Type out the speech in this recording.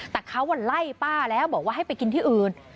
แต่เขาไล่ป้าแล้วบอกว่าให้ไปกินที่อื่น